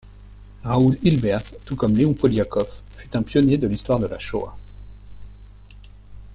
Raul Hilberg, tout comme Léon Poliakov, fut un pionnier de l’histoire de la Shoah.